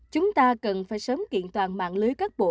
chúng ta cần phải sớm kiện toàn mạng lưới các bộ